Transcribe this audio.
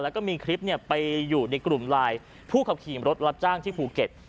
แล้วก็มีคลิปไปอยู่ในกลุ่มไลน์ผู้ขับขี่รถรับจ้างที่ภูเก็ต